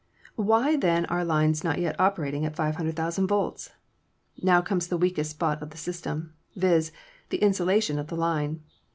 Why then are lines not yet operating at 500,000 volts? Now comes the weakest spot of the system, viz., the in sulation of the line.